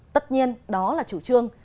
tất nhiên đó là chủ trương